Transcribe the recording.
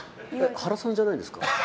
原さんじゃないんですか？